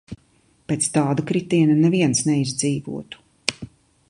Pēc tāda kritiena neviens neizdzīvotu.